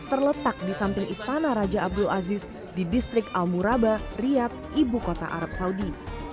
terletak di samping istana raja abdul aziz di distrik al muraba riyad ibu kota arab saudi